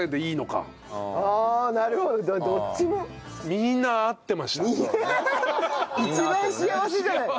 みんな合ってた！